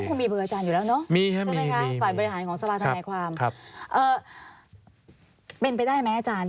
เขาก็คงมีบริหารอาจารย์อยู่แล้วเนอะฝั่งบริหารของซาลาทันแทนความเป็นไปได้ไหมอาจารย์